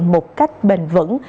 một cách bền vững